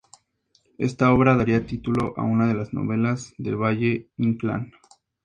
Esta obra daría título a una de las novelas de Valle-Inclán.